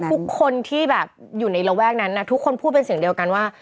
ทุกคนที่แบบอยู่ในระแวกนั้นทุกคนพูดเป็นเสียงเดียวกันว่า